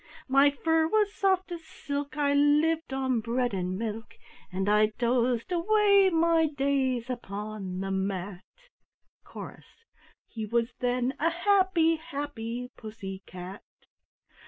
My fur was soft as silk, I lived on bread and milk, And I dozed away my days upon the mat!" Chorus ("He was then a happy, happy Pussy cat!")